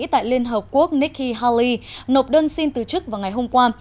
tại liên hợp quốc nikki haley nộp đơn xin từ chức vào ngày hôm qua